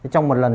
trong một lần